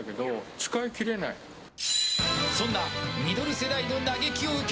そんなミドル世代の嘆きを受け